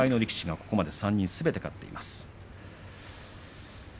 ここまで３人すべて勝っています。